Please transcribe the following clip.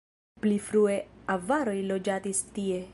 Pli frue avaroj loĝadis tie.